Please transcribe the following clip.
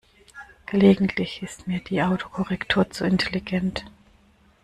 Gelegentlich ist mir die Autokorrektur zu intelligent.